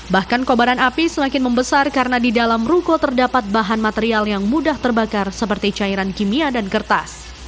bahkan kobaran api semakin membesar karena di dalam ruko terdapat bahan material yang mudah terbakar seperti cairan kimia dan kertas